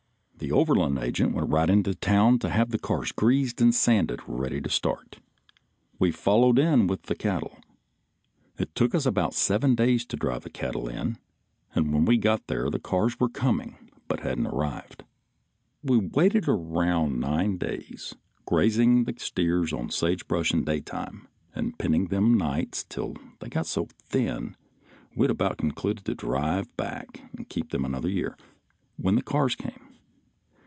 The Overland agent went right into town to have the cars greased and sanded ready to start. We followed in with the cattle. It took us about seven days to drive the cattle in, and when we got there the cars were coming but hadn't arrived. We waited around nine days, grazing the steers on sage brush in daytime and penning them nights till they got so thin we had about concluded to drive back and keep them for another year, when the cars came.